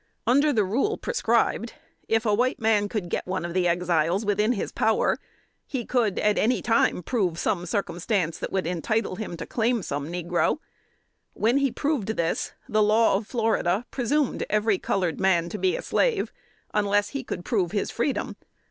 Under the rule prescribed, if a white man could get one of the Exiles within his power, he could at any time prove some circumstance that would entitle him to claim some negro; when he proved this, the law of Florida presumed every colored man to be a slave, unless he could prove his freedom.